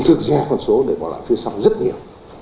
thực ra con số này bỏ lại phía sau rất nhiều